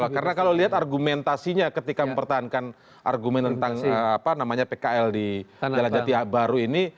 karena kalau lihat argumentasinya ketika mempertahankan argument tentang namanya pkl di jalan jati baru ini